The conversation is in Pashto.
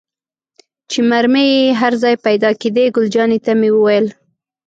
چې مرمۍ یې هر ځای پيدا کېدې، ګل جانې ته مې وویل.